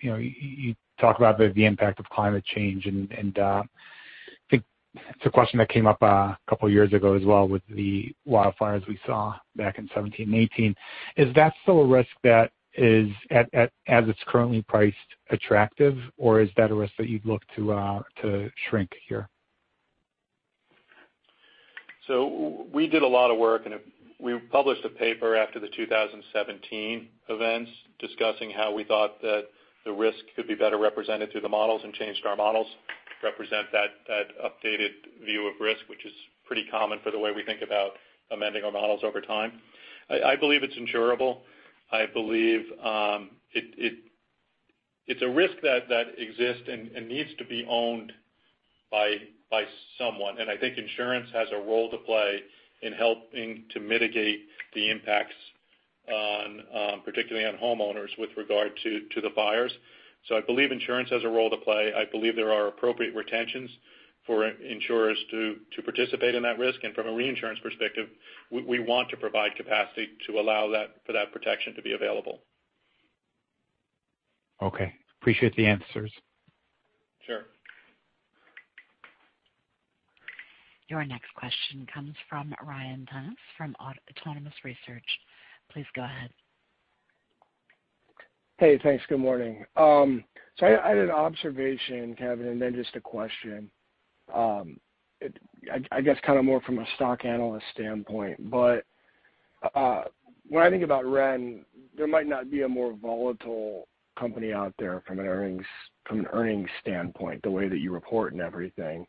You talk about the impact of climate change, and I think it's a question that came up a couple of years ago as well with the wildfires we saw back in 2017 and 2018. Is that still a risk that is, as it's currently priced, attractive, or is that a risk that you'd look to shrink here? We did a lot of work, and we published a paper after the 2017 events discussing how we thought that the risk could be better represented through the models and changed our models to represent that updated view of risk, which is pretty common for the way we think about amending our models over time. I believe it's insurable. I believe it's a risk that exists and needs to be owned by someone. I think insurance has a role to play in helping to mitigate the impacts particularly on homeowners with regard to Diablo. I believe insurance has a role to play. I believe there are appropriate retentions for insurers to participate in that risk. From a reinsurance perspective, we want to provide capacity to allow for that protection to be available. Okay. Appreciate the answers. Sure. Your next question comes from Ryan Tunis from Autonomous Research. Please go ahead. Hey, thanks. Good morning. I had an observation, Kevin, just a question. I guess kind of more from a stock analyst standpoint, when I think about Ren, there might not be a more volatile company out there from an earnings standpoint, the way that you report and everything.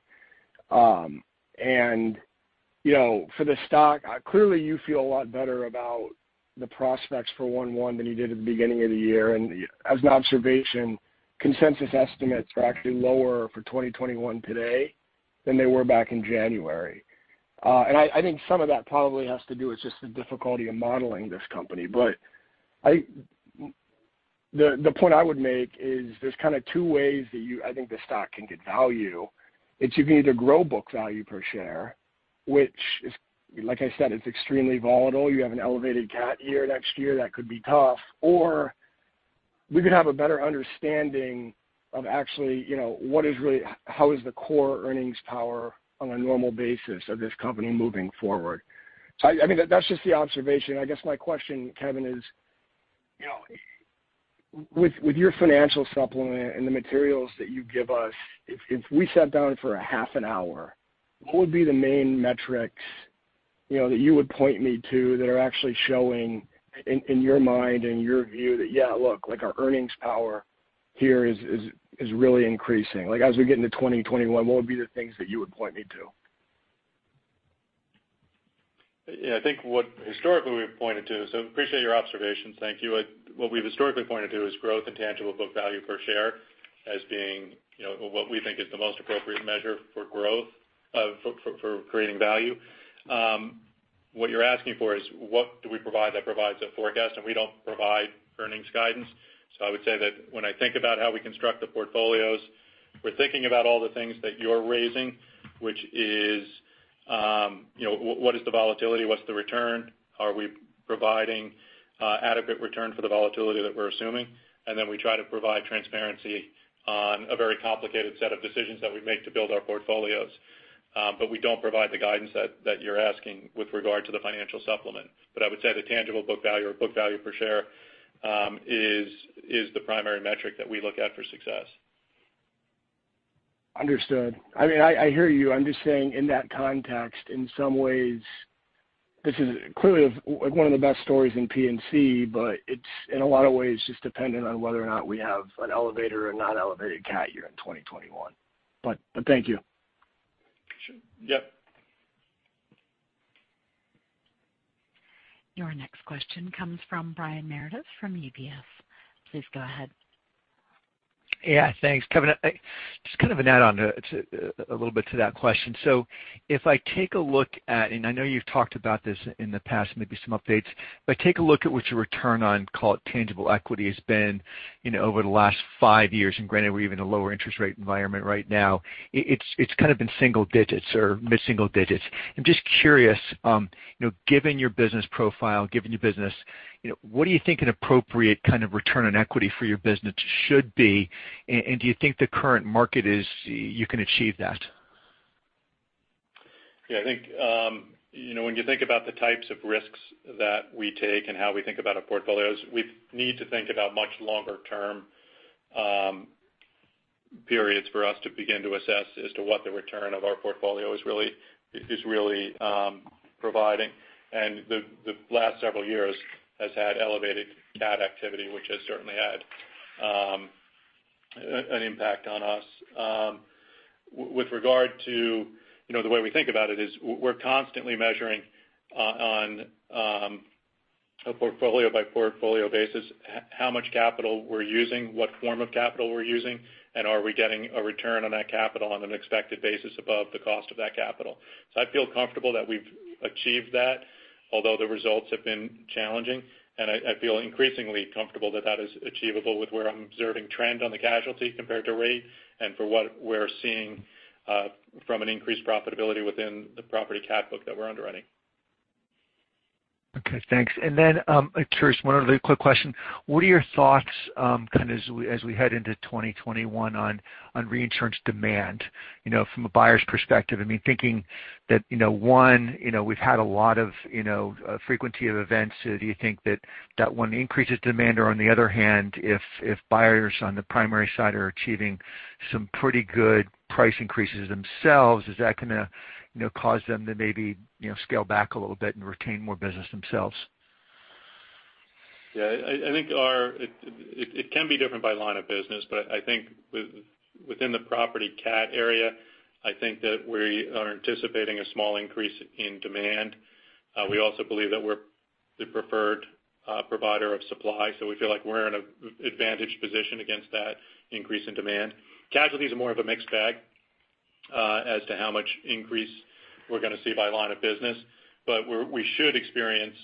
For the stock, clearly you feel a lot better about the prospects for 1/1 than you did at the beginning of the year. As an observation, consensus estimates are actually lower for 2021 today than they were back in January. I think some of that probably has to do with just the difficulty of modeling this company. The point I would make is there's kind of two ways that I think the stock can get value. It's you can either grow book value per share, which is, like I said, it's extremely volatile. You have an elevated cat year next year, that could be tough. We could have a better understanding of actually how is the core earnings power on a normal basis of this company moving forward. I mean, that's just the observation. I guess my question, Kevin, is with your financial supplement and the materials that you give us, if we sat down for a half an hour, what would be the main metrics that you would point me to that are actually showing in your mind, in your view, that, yeah, look, our earnings power here is really increasing. As we get into 2021, what would be the things that you would point me to? Yeah. I appreciate your observations. Thank you. What we've historically pointed to is growth in tangible book value per share as being what we think is the most appropriate measure for growth for creating value. What you're asking for is what do we provide that provides a forecast, and we don't provide earnings guidance. I would say that when I think about how we construct the portfolios, we're thinking about all the things that you're raising, which is what is the volatility? What's the return? Are we providing adequate return for the volatility that we're assuming? We try to provide transparency on a very complicated set of decisions that we make to build our portfolios. We don't provide the guidance that you're asking with regard to the financial supplement. I would say the tangible book value or book value per share is the primary metric that we look at for success. Understood. I hear you. I'm just saying, in that context, in some ways, this is clearly one of the best stories in P&C, it's in a lot of ways just dependent on whether or not we have an elevated or not elevated cat year in 2021. Thank you. Sure. Yep. Your next question comes from Brian Meredith from UBS. Please go ahead. Thanks, Kevin, just kind of an add-on a little bit to that question. If I take a look at, and I know you've talked about this in the past, maybe some updates, but take a look at what your return on, call it, tangible equity has been over the last five years, and granted, we're even a lower interest rate environment right now. It's kind of been single digits or mid-single digits. I'm just curious, given your business profile, what do you think an appropriate kind of return on equity for your business should be? Do you think the current market is you can achieve that? Yeah, I think when you think about the types of risks that we take and how we think about our portfolios, we need to think about much longer term periods for us to begin to assess as to what the return of our portfolio is really providing. The last several years has had elevated cat activity, which has certainly had an impact on us. With regard to the way we think about it is we're constantly measuring on a portfolio-by-portfolio basis how much capital we're using, what form of capital we're using, and are we getting a return on that capital on an expected basis above the cost of that capital. I feel comfortable that we've achieved that, although the results have been challenging, and I feel increasingly comfortable that that is achievable with where I'm observing trend on the casualty compared to rate and for what we're seeing from an increased profitability within the property cat book that we're underwriting. Okay, thanks. Curious, one other quick question. What are your thoughts as we head into 2021 on reinsurance demand from a buyer's perspective? Thinking that, one, we've had a lot of frequency of events. Do you think that that one increases demand? Or on the other hand, if buyers on the primary side are achieving some pretty good price increases themselves, is that going to cause them to maybe scale back a little bit and retain more business themselves? Yeah, it can be different by line of business, but I think within the property cat area, I think that we are anticipating a small increase in demand. We also believe that we're the preferred provider of supply, so we feel like we're in an advantaged position against that increase in demand. Casualties are more of a mixed bag as to how much increase we're going to see by line of business. We should experience,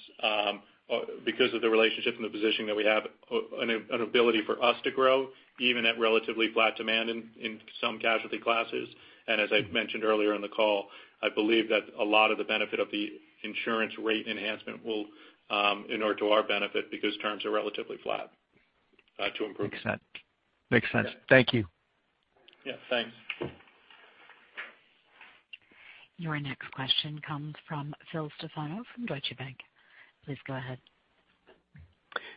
because of the relationship and the position that we have, an ability for us to grow even at relatively flat demand in some casualty classes. As I mentioned earlier in the call, I believe that a lot of the benefit of the insurance rate enhancement will inure to our benefit because terms are relatively flat to improve. Makes sense. Thank you. Yeah, thanks. Your next question comes from Phil Stefano from Deutsche Bank. Please go ahead.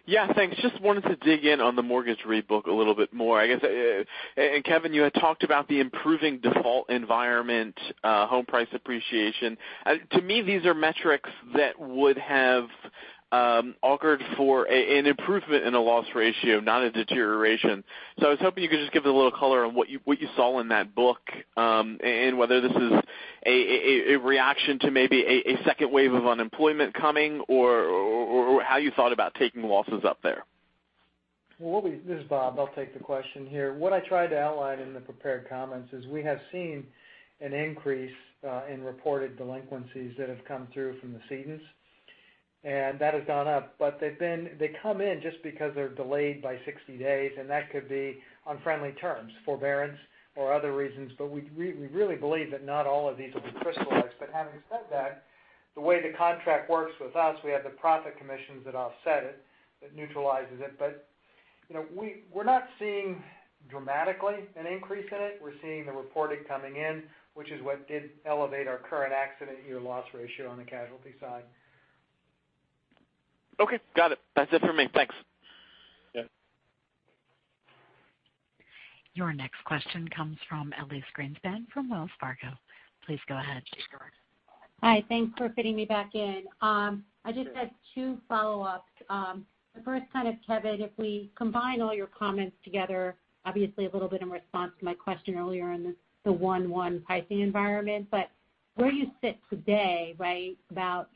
Yeah, thanks. Just wanted to dig in on the mortgage Re book a little bit more, I guess. Kevin, you had talked about the improving default environment, home price appreciation. To me, these are metrics that would have augured for an improvement in a loss ratio, not a deterioration. I was hoping you could just give a little color on what you saw in that book, and whether this is a reaction to maybe a second wave of unemployment coming or how you thought about taking losses up there. This is Bob. I'll take the question here. What I tried to outline in the prepared comments is we have seen an increase in reported delinquencies that have come through from the cedents. That has gone up. They come in just because they're delayed by 60 days, and that could be on friendly terms, forbearance or other reasons. We really believe that not all of these will be crystallized. Having said that, the way the contract works with us, we have the profit commissions that offset it, that neutralizes it. We're not seeing dramatically an increase in it. We're seeing the reporting coming in, which is what did elevate our current accident year loss ratio on the casualty side. Okay, got it. That's it for me. Thanks. Yeah. Your next question comes from Elyse Greenspan from Wells Fargo. Please go ahead. Hi. Thanks for fitting me back in. I just had two follow-ups. The first, Kevin, if we combine all your comments together, obviously a little bit in response to my question earlier in the 1/1 pricing environment, where you sit today, right? About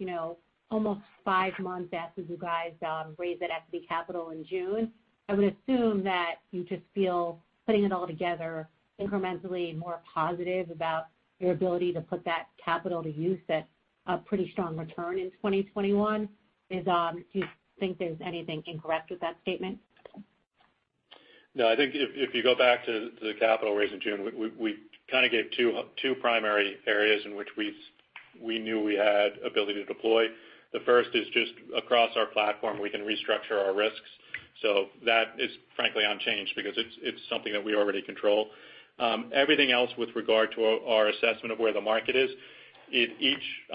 almost five months after you guys raised that equity capital in June. I would assume that you just feel, putting it all together incrementally more positive about your ability to put that capital to use at a pretty strong return in 2021. Do you think there's anything incorrect with that statement? No. I think if you go back to the capital raise in June, we gave two primary areas in which we knew we had ability to deploy. The first is just across our platform, we can restructure our risks. That is frankly unchanged because it's something that we already control. Everything else with regard to our assessment of where the market is, in each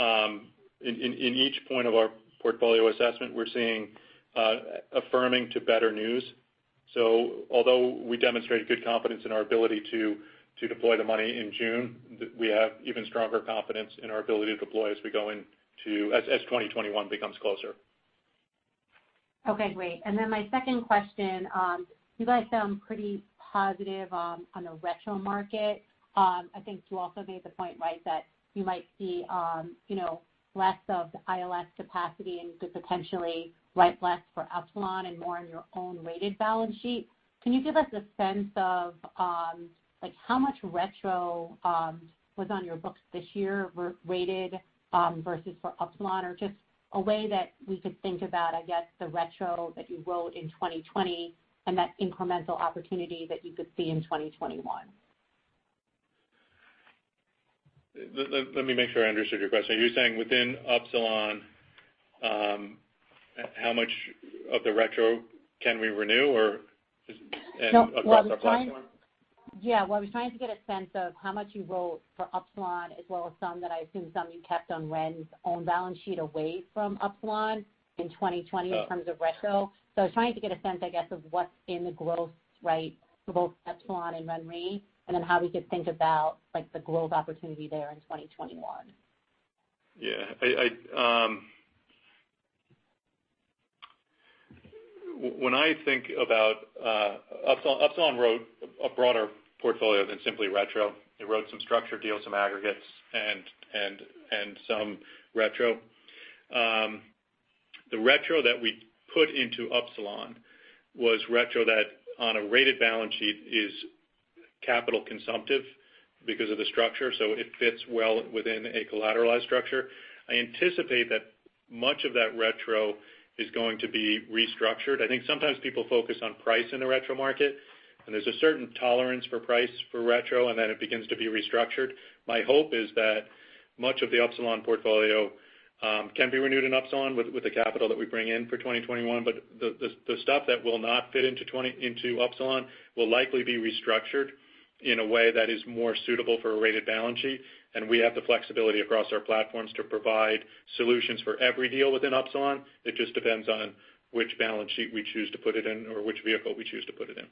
point of our portfolio assessment, we're seeing affirming to better news. Although we demonstrated good confidence in our ability to deploy the money in June, we have even stronger confidence in our ability to deploy as 2021 becomes closer. Okay, great. My second question, you guys sound pretty positive on the retro market. I think you also made the point, right, that you might see less of the ILS capacity and could potentially write less for Upsilon and more on your own rated balance sheet. Can you give us a sense of how much retro was on your books this year were rated versus for Upsilon or just a way that we could think about, I guess, the retro that you wrote in 2020 and that incremental opportunity that you could see in 2021? Let me make sure I understood your question. Are you saying within Upsilon how much of the retro can we renew or just across our platform? Yeah. Well, I was trying to get a sense of how much you wrote for Upsilon as well as some that I assume some you kept on Ren's own balance sheet away from Upsilon in 2020 in terms of retro. I was trying to get a sense, I guess, of what's in the growth for both Upsilon and RenRe, and then how we could think about the growth opportunity there in 2021. Yeah. When I think about Upsilon wrote a broader portfolio than simply retro. It wrote some structured deals, some aggregates, and some retro. The retro that we put into Upsilon was retro that on a rated balance sheet is capital consumptive because of the structure. It fits well within a collateralized structure. I anticipate that much of that retro is going to be restructured. I think sometimes people focus on price in the retro market, and there's a certain tolerance for price for retro, and then it begins to be restructured. My hope is that much of the Upsilon portfolio can be renewed in Upsilon with the capital that we bring in for 2021. The stuff that will not fit into Upsilon will likely be restructured in a way that is more suitable for a rated balance sheet. We have the flexibility across our platforms to provide solutions for every deal within Upsilon. It just depends on which balance sheet we choose to put it in or which vehicle we choose to put it in.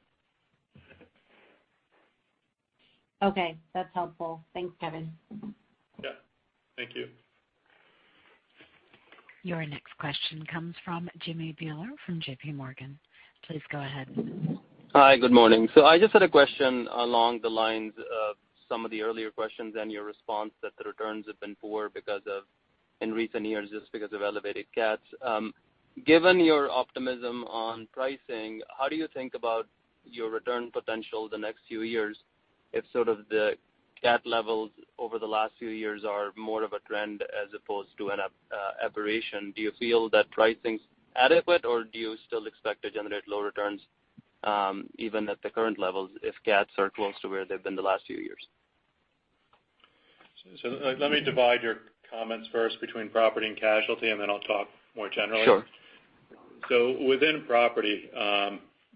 Okay. That's helpful. Thanks, Kevin. Yeah. Thank you. Your next question comes from Jimmy Bhullar from JPMorgan. Please go ahead. Hi. Good morning. I just had a question along the lines of some of the earlier questions and your response that the returns have been poor in recent years just because of elevated cats. Given your optimism on pricing, how do you think about your return potential the next few years if sort of the cat levels over the last few years are more of a trend as opposed to an aberration? Do you feel that pricing's adequate, or do you still expect to generate low returns even at the current levels if cats are close to where they've been the last few years? Let me divide your comments first between property and casualty, and then I'll talk more generally. Sure. Within property,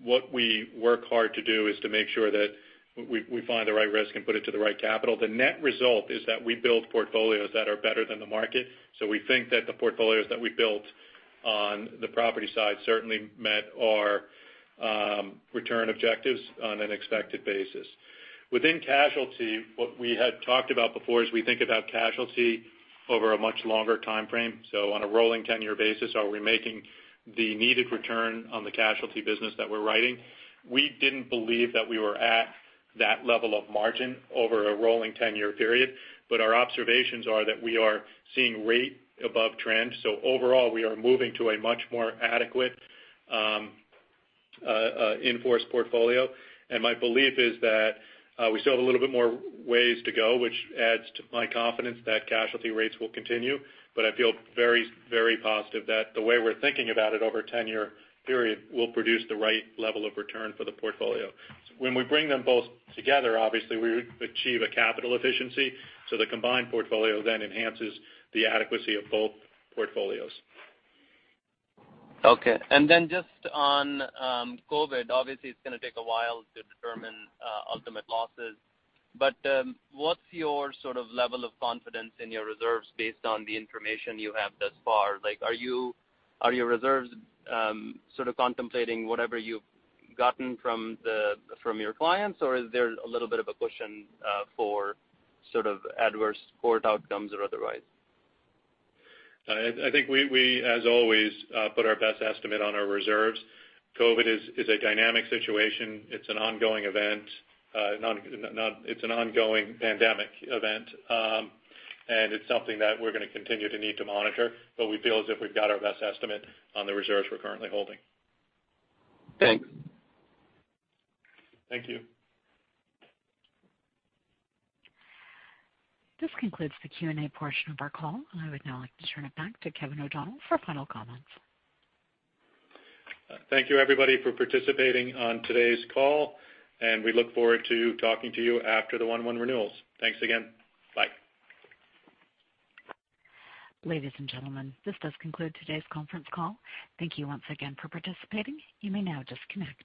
what we work hard to do is to make sure that we find the right risk and put it to the right capital. The net result is that we build portfolios that are better than the market. We think that the portfolios that we built on the property side certainly met our return objectives on an expected basis. Within casualty, what we had talked about before is we think about casualty over a much longer timeframe. On a rolling 10-year basis, are we making the needed return on the casualty business that we're writing? We didn't believe that we were at that level of margin over a rolling 10-year period. Our observations are that we are seeing rate above trend. Overall, we are moving to a much more adequate in-force portfolio. My belief is that we still have a little bit more ways to go, which adds to my confidence that casualty rates will continue. I feel very positive that the way we're thinking about it over a 10-year period will produce the right level of return for the portfolio. When we bring them both together, obviously we achieve a capital efficiency. The combined portfolio then enhances the adequacy of both portfolios. Okay. Just on COVID, obviously it's going to take a while to determine ultimate losses. What's your level of confidence in your reserves based on the information you have thus far? Are your reserves sort of contemplating whatever you've gotten from your clients, or is there a little bit of a cushion for sort of adverse court outcomes or otherwise? I think we as always put our best estimate on our reserves. COVID is a dynamic situation. It's an ongoing event. It's an ongoing pandemic event. It's something that we're going to continue to need to monitor, but we feel as if we've got our best estimate on the reserves we're currently holding. Thanks. Thank you. This concludes the Q&A portion of our call. I would now like to turn it back to Kevin O'Donnell for final comments. Thank you everybody for participating on today's call. We look forward to talking to you after the 1/1 renewals. Thanks again. Bye. Ladies and gentlemen, this does conclude today's conference call. Thank you once again for participating. You may now disconnect.